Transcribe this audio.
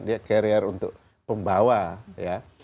dia carrier untuk pembawa ya